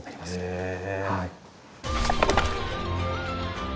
へえ。